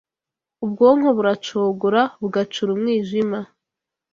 Ubwonko buracogora bugacura umwijima